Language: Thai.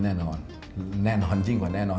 โอ้แน่นอนแน่นอนจริงกว่าแน่นอน